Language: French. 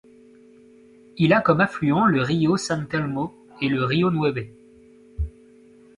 Il a comme affluents le río San Telmo et le río Nueve.